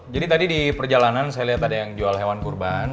jadi tadi di perjalanan saya liat ada yang jual hewan kurban